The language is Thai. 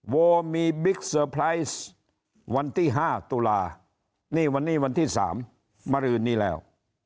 โวมีบิ๊กเซอร์ไพรส์วันที่๕ตุลานี่วันนี้วันที่๓มารืนนี้แล้ว